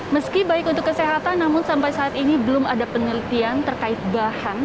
meski baik untuk kesehatan namun sampai saat ini belum ada penelitian terkait bahan